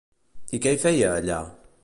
I què hi feia, allà?